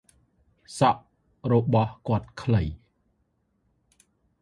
សក់របស់គាត់ខ្លី។